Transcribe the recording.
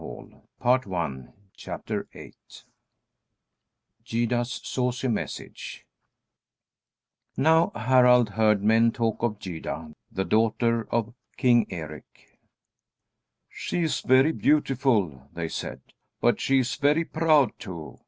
Gyda's Saucy Message Now Harald heard men talk of Gyda, the daughter of King Eric. "She is very beautiful," they said, "but she is very proud, too.